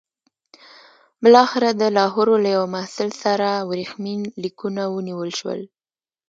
بالاخره د لاهور له یوه محصل سره ورېښمین لیکونه ونیول شول.